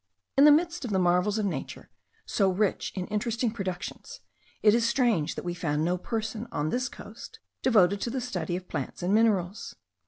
In the midst of the marvels of nature, so rich in interesting productions, it is strange that we found no person on this coast devoted to the study of plants and minerals.